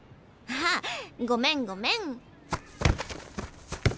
あごめんごめん。